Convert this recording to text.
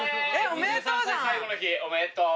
おめでとう。